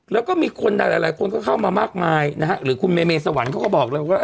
แล้วก็มีคนใดหลายคนก็เข้ามามากมายนะฮะหรือคุณเมเมสวรรค์เขาก็บอกเลยว่า